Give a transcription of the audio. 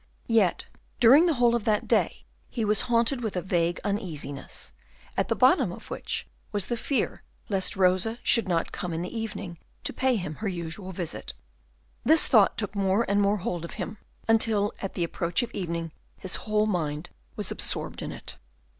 Yet during the whole of that day he was haunted with a vague uneasiness, at the bottom of which was the fear lest Rosa should not come in the evening to pay him her usual visit. This thought took more and more hold of him, until at the approach of evening his whole mind was absorbed in it.